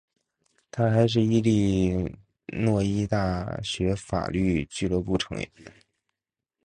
他还是伊利诺伊大学法律俱乐部成员。